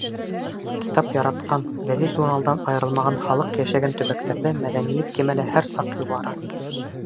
Китап яратҡан, гәзит-журналдан айырылмаған халыҡ йәшәгән төбәктәрҙә мәҙәнилек кимәле һәр саҡ юғары.